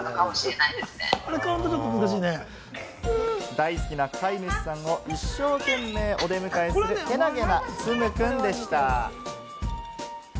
大好きな飼い主さんを一生懸命お出迎えする、けなげな、つむくんでした。